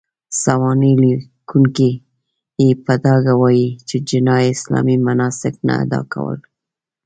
سوانح ليکونکي يې په ډاګه وايي، چې جناح اسلامي مناسک نه اداء کول.